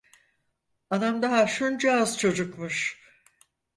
Anam daha şuncağız çocukmuş…